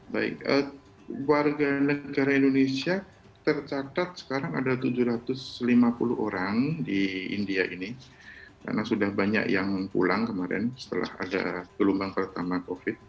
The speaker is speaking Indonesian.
baik warga negara indonesia tercatat sekarang ada tujuh ratus lima puluh orang di india ini karena sudah banyak yang pulang kemarin setelah ada gelombang pertama covid